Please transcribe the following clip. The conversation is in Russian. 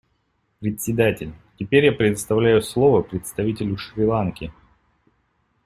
Председатель: Теперь я предоставляю слово представителю Шри-Ланки.